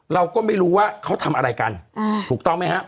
เราก็ไม่รู้ว่าเขาทำอะไรกันถูกต้องไหมฮะ